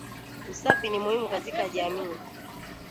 Usafi ni muhimu katika jamii